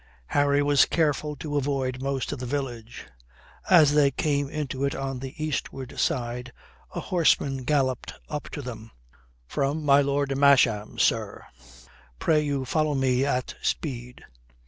Harry was careful to avoid most of the village. As they came into it on the eastward side a horseman galloped up to them. "From my Lord Masham, sir. Pray you follow me at speed."